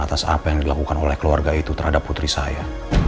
atas apa yang dilakukan oleh keluarga itu terhadap putri saya